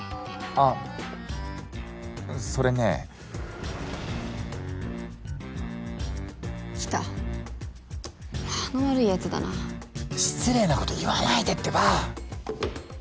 ああそれね来た間の悪いヤツだな失礼なこと言わないでってば！